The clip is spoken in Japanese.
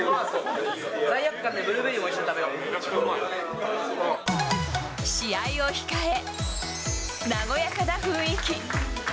罪悪感でブルーベリーも一緒試合を控え、和やかな雰囲気。